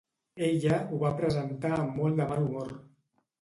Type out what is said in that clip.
Ella ho va presentar amb molt de mal humor.